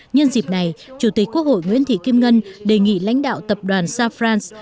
nhân dịp này chủ tịch quốc hội nguyễn thị kim ngân đề nghị lãnh đạo tập đoàn sao france